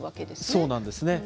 そうなんですね。